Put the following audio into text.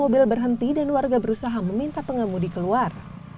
mobil berhenti dan warga berusaha meminta pengemudi keluar